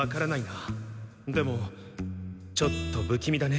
でもちょっと不気味だね。